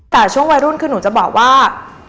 แต่ช่วงวัยรุ่นคือหนูจะบอกว่า